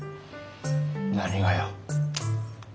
何がよ。